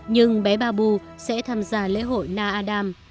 nhưng bé babu sẽ tham gia lễ hội na adam